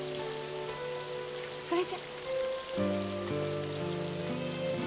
それじゃ。